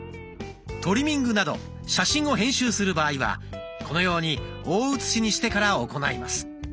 トリミングなど写真を編集する場合はこのように大写しにしてから行います。